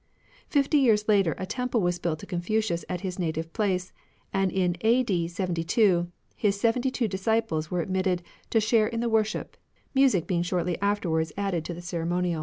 Fifty years later a temple was built to Confucius at his native place ; and in a.d. 72 his seventy two disciples were admitted to share in the worship, music being shortly afterwards added to the ceremonial.